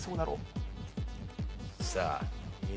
さあ